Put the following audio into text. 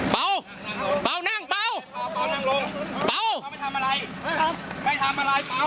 เบาเบานั่งเบาเบาไม่ทำอะไรไม่ทำอะไรเบา